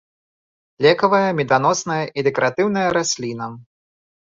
Лекавая, меданосная і дэкаратыўная расліна.